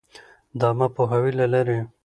د عــامه پـوهــاوي لـه لارې٫